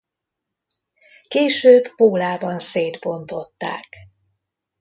Később Pólában szétbontották.